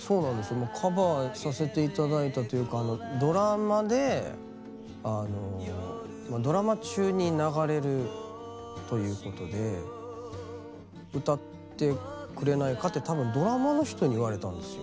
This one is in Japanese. もうカバーさせて頂いたというかドラマであのドラマ中に流れるということで「歌ってくれないか」って多分ドラマの人に言われたんですよ。